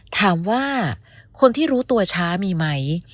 ถามว่าคนที่รู้ตัวช้ามีไหม